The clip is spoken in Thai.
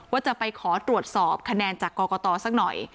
ว่าจะไปขอตรวจสอบคะแนนจากกรกตสักหน่อย